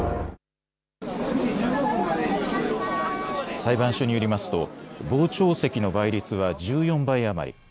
裁判所によりますと傍聴席の倍率は１４倍余り。